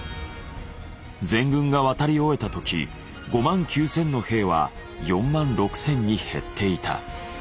全軍が渡り終えた時５万９，０００の兵は４万６，０００に減っていた。